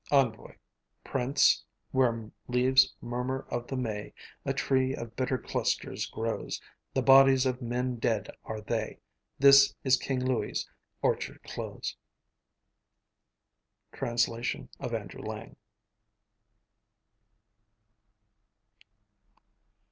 ENVOI Prince, where leaves murmur of the May, A tree of bitter clusters grows; The bodies of men dead are they! This is King Louis's orchard close! Translation of Andrew Lang.